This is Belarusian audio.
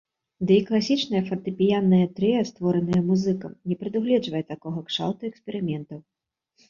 Ды і класічнае фартэпіяннае трыа, створанае музыкам, не прадугледжвае такога кшталту эксперыментаў.